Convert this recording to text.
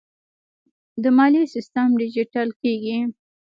د مالیې سیستم ډیجیټل کیږي